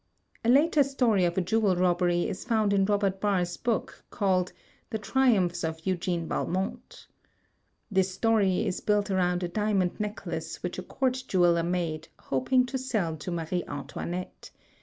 A later story of a jewel robbery is foimd in Robert Barr's book, called "The Triumphs of Eugene Valmont." This story is built around a diamond necklace which a court jeweler made, hoping to sell to Marie Antoinette.